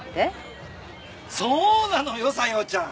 そうなのよさよちゃん。